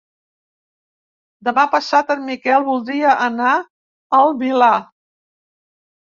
Demà passat en Miquel voldria anar al Milà.